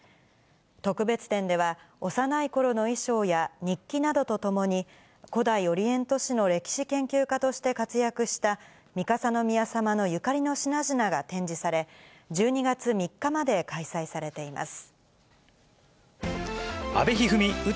特別展では、幼いころの衣装や日記などとともに、古代オリエント史の歴史研究家として活躍した、三笠宮さまのゆかりの品々が展示され、１２月３日まで開催されています。